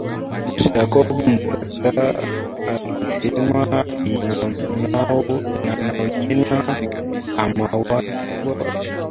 Jacob Matata alisema inaonekana ameuawa na mtu aliyeko ndani ya usalama